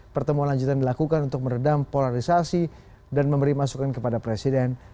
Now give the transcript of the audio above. pertemuan lanjutan dilakukan untuk meredam polarisasi dan memberi masukan kepada presiden